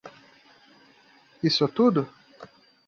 Isso é tudo?